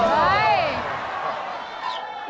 เฮ้ย